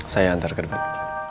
saya antar ke depan